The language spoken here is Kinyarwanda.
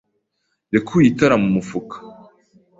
yakuye itara mu mufuka.